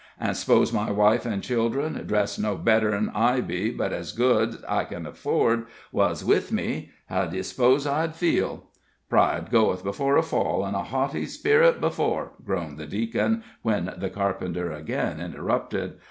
An' spose my wife an' children, dressed no better 'n I be, but as good 's I can afford, was with me, how d'ye s'pose I'd feel?" "Pride goeth before a fall, an' a haughty sperit before," groaned the Deacon, when the carpenter again interrupted.